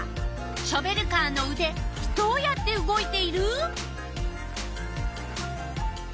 ショベルカーのうでどうやって動いている？